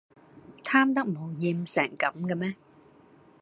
貪得無厭成咁㗎咩